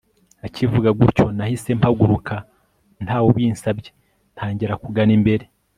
Akivuga gutyo nahise mpaguruka ntawe ubinsabye ntangira kugana imbere